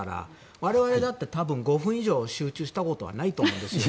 我々だって多分５分以上集中したことはないと思うんですよ。